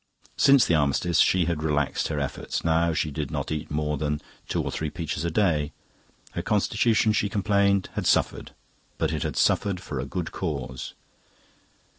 Since the Armistice she had relaxed her efforts; now she did not eat more than two or three peaches a day. Her constitution, she complained, had suffered; but it had suffered for a good cause.